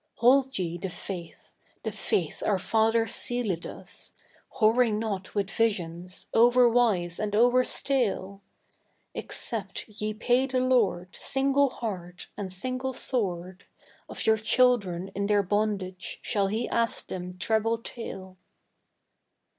_ _Hold ye the Faith the Faith our Fathers sealèd us; Whoring not with visions overwise and overstale. Except ye pay the Lord Single heart and single sword, Of your children in their bondage shall He ask them treble tale.